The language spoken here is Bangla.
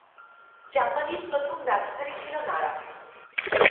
জাপানের প্রথম রাজধানী ছিল নারা।